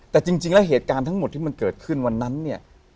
แต่จริงแล้วเหตุการณ์ทั้งหมดที่มันเกิดขึ้นวันนั้นเนี่ย